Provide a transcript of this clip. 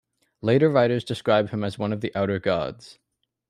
Later writers describe him as one of the Outer Gods.